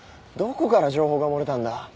どこから情報が漏れたんだ？